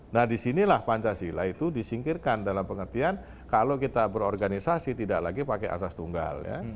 nah disinilah pancasila itu disingkirkan dalam pengertian kalau kita berorganisasi tidak lagi pakai asas tunggal ya